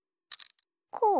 こう？